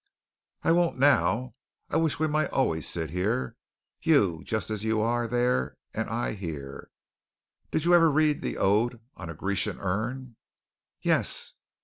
"I won't now. I wish we might always sit here. You, just as you are there, and I here." "Did you ever read the 'Ode on a Grecian Urn'?" "Yes."